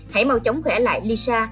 hãy mau chóng khỏe lại lisa